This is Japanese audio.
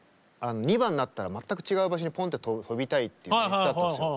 ２番になったら全く違う場所にポンって飛びたいっていう演出だったんですよ。